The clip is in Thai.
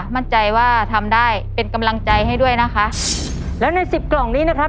มั่นใจว่าทำได้เป็นกำลังใจให้ด้วยนะคะแล้วในสิบกล่องนี้นะครับ